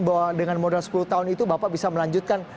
bahwa dengan modal sepuluh tahun itu bapak bisa melanjutkan